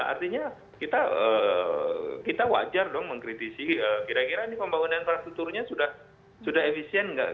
artinya kita wajar dong mengkritisi kira kira ini pembangunan infrastrukturnya sudah efisien nggak